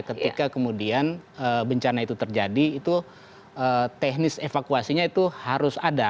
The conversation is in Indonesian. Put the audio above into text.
ketika kemudian bencana itu terjadi itu teknis evakuasinya itu harus ada